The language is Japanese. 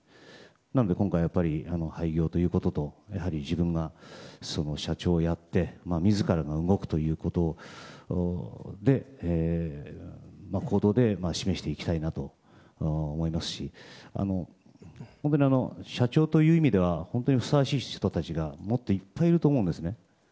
なので今回、廃業ということと自分が社長をやって自らが動くという行動で示していきたいなと思いますし社長という意味では本当にふさわしい人たちがもっといっぱいいると思うんですね。